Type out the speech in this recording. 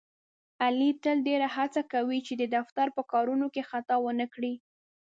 علي تل ډېره هڅه کوي، چې د دفتر په کارونو کې خطا ونه کړي.